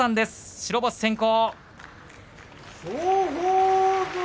白星先行。